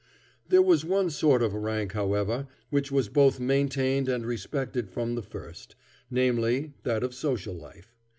There was one sort of rank, however, which was both maintained and respected from the first, namely, that of social life.